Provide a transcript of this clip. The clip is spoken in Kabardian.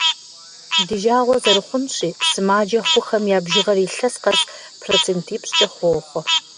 Ди жагъуэ зэрыхъунщи, сымаджэ хъухэм я бжыгъэр илъэс къэс процентипщӏкӏэ хохъуэ.